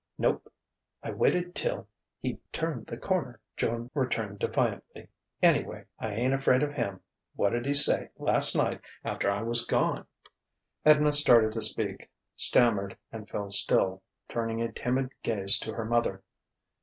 "Nope: I waited till he'd turned the corner," Joan returned defiantly. "Anyway I ain't afraid of him. What'd he say, last night, after I was gone?" Edna started to speak, stammered and fell still, turning a timid gaze to her mother.